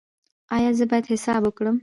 ایا زه باید حساب وکړم؟